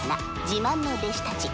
「自慢の弟子たち」